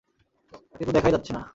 তাকে তো দেখাই যাচ্ছে না?